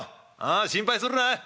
ああ心配するな。